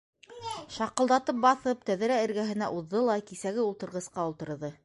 Шаҡылдатып баҫып, тәҙрә эргәһенә уҙҙы ла кисәге ултырғысҡа ултырҙы.